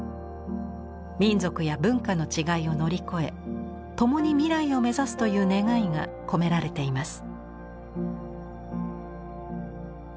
民族や文化の違いを乗り越え共に未来を目指すという願いが込められています